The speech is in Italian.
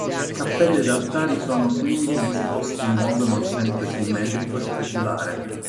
Cappelle ed altari sono quindi disposti in modo non sempre simmetrico e speculare.